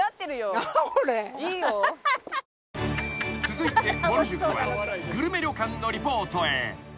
［続いてぼる塾はグルメ旅館のリポートへ］